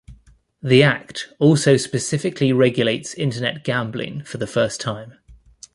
The Act also specifically regulates Internet gambling for the first time.